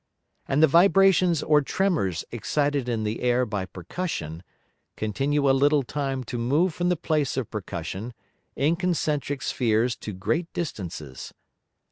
And the Vibrations or Tremors excited in the Air by percussion, continue a little time to move from the place of percussion in concentrick Spheres to great distances.